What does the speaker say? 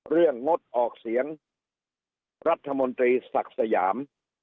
เรื่องงดออกเสียงรัฐมนตรีศักดีสยาม